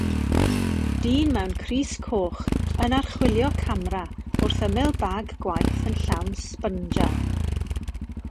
Dyn mewn crys coch yn archwilio camera wrth ymyl bag gwaith yn llawn sbyngau.